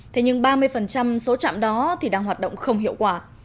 thế nhưng ba mươi số trạm đó thì đang hoạt động không hiệu quả